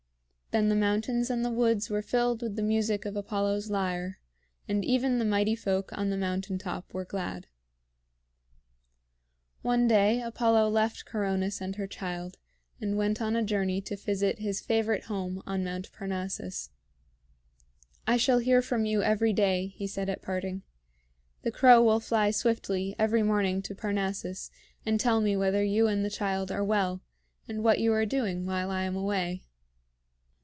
Then the mountains and the woods were filled with the music of Apollo's lyre, and even the Mighty Folk on the mountain top were glad. One day Apollo left Coronis and her child, and went on a journey to visit his favorite home on Mount Parnassus. "I shall hear from you every day," he said at parting. "The crow will fly swiftly every morning to Parnassus, and tell me whether you and the child are well, and what you are doing while I am away."